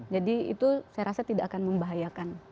jadi itu saya rasa tidak akan membahayakan